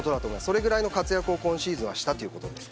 それぐらいの活躍を今シーズンしたということです。